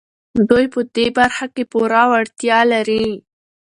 دوی په دې برخه کې پوره وړتيا لري.